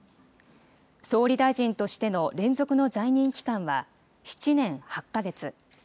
総理大臣としての連続の在任期間は、７年８か月。